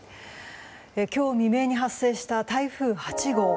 今日未明に発生した台風８号。